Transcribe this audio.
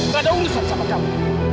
gak ada urusan sama kami